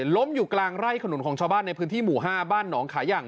ล้มอยู่กลางไร่ขนุนของชาวบ้านในพื้นที่หมู่๕บ้านหนองขายัง